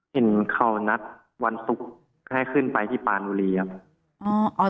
เห็นเขานัดวันศุกร์ให้ขึ้นไปที่ปานบุรีครับ